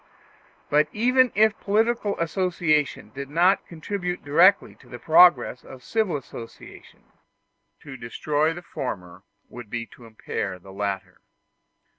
But even if political association did not directly contribute to the progress of civil association, to destroy the former would be to impair the latter.